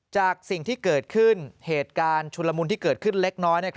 จากสิ่งที่เกิดขึ้นเหตุการณ์ชุนละมุนที่เกิดขึ้นเล็กน้อย